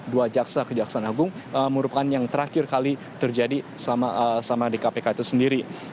dua jaksa kejaksaan agung merupakan yang terakhir kali terjadi sama di kpk itu sendiri